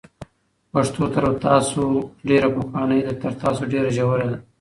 پښتو تر تاسو ډېره پخوانۍ ده، تر تاسو ډېره ژوره ده،